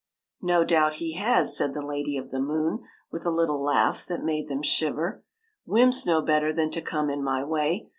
" No doubt he has," said the Lady of the Moon, with a little laugh that made them shiver. " Wymps know better than to come in my way.